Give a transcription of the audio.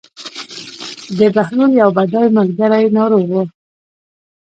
د بهلول یو بډای ملګری ناروغ و.